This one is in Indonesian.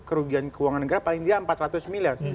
kerugian keuangan negara paling tidak empat ratus miliar